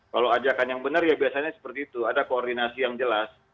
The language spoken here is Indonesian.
kalau ajakan yang benar ya biasanya seperti itu ada koordinasi yang jelas